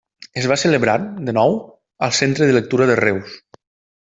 Es va celebrar, de nou, al Centre de Lectura de Reus.